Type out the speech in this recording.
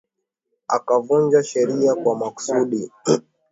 akavunja sheria kwa makusudi